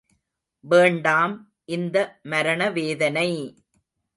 வேண்டாம், இந்த மரணவேதனை!